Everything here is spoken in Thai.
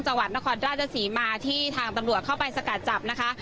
จังหวัดนครราชศรีมาที่ทางตำรวจเข้าไปสกัดจับนะคะ